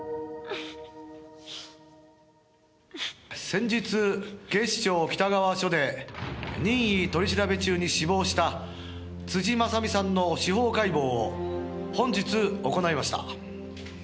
「先日警視庁北川署で任意取り調べ中に死亡した辻正巳さんの司法解剖を本日行いました」